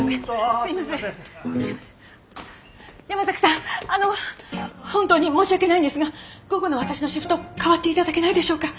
山崎さんあの本当に申し訳ないんですが午後の私のシフト代わって頂けないでしょうか。